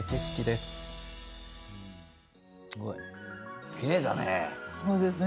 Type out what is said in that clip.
すごい、きれいだね。